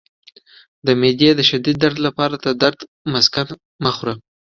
د معدې د شدید درد لپاره د درد مسکن مه خورئ